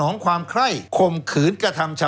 แล้วเขาก็ใช้วิธีการเหมือนกับในการ์ตูน